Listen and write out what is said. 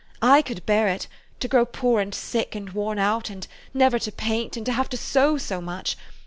/ could bear it, to grow poor and sick and worn out, and never to paint, and to have to sew so much